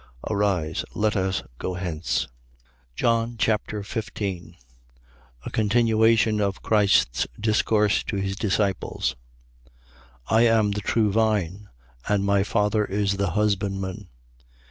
Arise, let us go hence. John Chapter 15 A continuation of Christ's discourse to his disciples. 15:1. I am the true vine: and my Father is the husbandman.